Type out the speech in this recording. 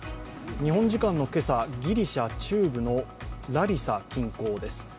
日本時間の今朝ギリシャ中部のラリサ近郊です。